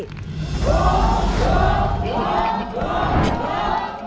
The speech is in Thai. ถูก